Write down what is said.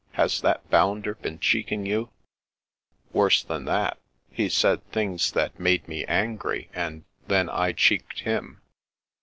Has that bounder been cheeking you ?"" Worse than that. He said things that made me angry, and — ^then I cheeked him."